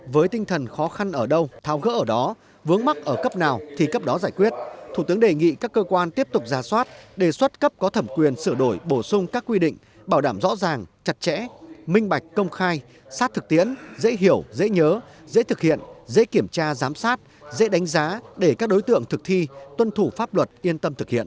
với tinh thần khó khăn ở đâu thao gỡ ở đó vướng mắt ở cấp nào thì cấp đó giải quyết thủ tướng đề nghị các cơ quan tiếp tục ra soát đề soát cấp có thẩm quyền sửa đổi bổ sung các quy định bảo đảm rõ ràng chặt chẽ minh bạch công khai sát thực tiễn dễ hiểu dễ nhớ dễ thực hiện dễ kiểm tra giám sát dễ đánh giá để các đối tượng thực thi tuân thủ pháp luật yên tâm thực hiện